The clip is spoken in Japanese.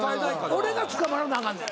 俺が捕まらなあかんねん。